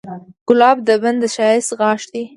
ګلاب د بڼ د ښایست غاښ دی.